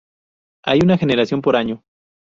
Hay una generación por año.